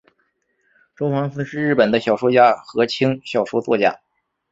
周防司是日本的小说家和轻小说作家。